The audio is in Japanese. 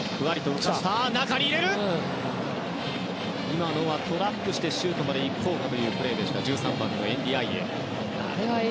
今のはトラップしてシュートまでいこうというプレーでした１３番、エンディアイエ。